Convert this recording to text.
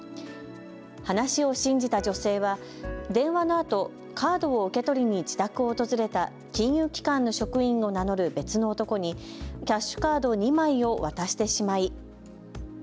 話を信じた女性は電話のあとカードを受け取りに自宅を訪れた金融機関の職員を名乗る別の男にキャッシュカード２枚を渡してしまい。